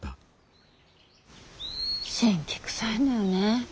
辛気くさいのよね